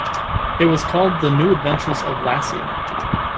It was called "The New Adventures of Lassie".